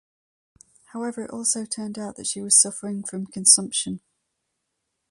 However it also turned out that she was suffering from consumption.